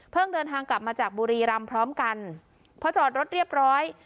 เดินทางกลับมาจากบุรีรำพร้อมกันพอจอดรถเรียบร้อย